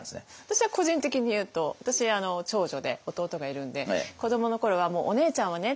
私は個人的に言うと私長女で弟がいるんで子どもの頃は「お姉ちゃんはね」